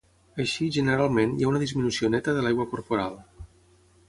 Així, generalment, hi ha una disminució neta de l'aigua corporal.